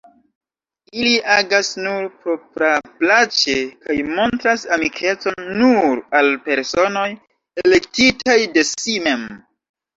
Ili agas nur propraplaĉe kaj montras amikecon nur al personoj, elektitaj de si mem.